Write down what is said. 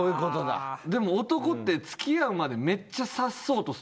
でも男って付き合うまでめっちゃ察そうとするんですよ。